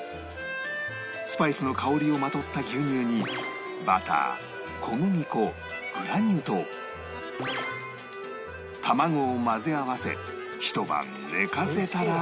スパイスの香りをまとった牛乳にバター小麦粉グラニュー糖卵を混ぜ合わせひと晩寝かせたら